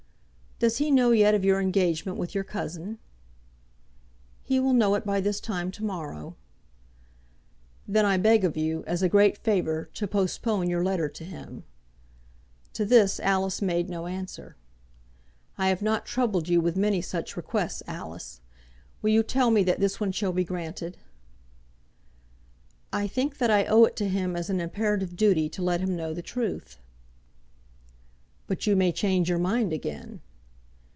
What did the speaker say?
"Does he know yet of your engagement with your cousin?" "He will know it by this time to morrow." "Then I beg of you, as a great favour, to postpone your letter to him." To this Alice made no answer. "I have not troubled you with many such requests, Alice. Will you tell me that this one shall be granted?" "I think that I owe it to him as an imperative duty to let him know the truth." "But you may change your mind again."